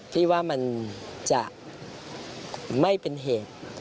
พี่ว่ามันจะไม่เป็นเหตุ